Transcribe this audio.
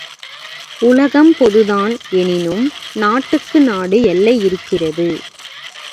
உலகம் பொது தான். எனினும் நாட்டுக்கு நாடு எல்லை இருக்கிறது.